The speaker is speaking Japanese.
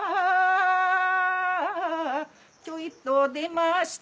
ちょいと出ました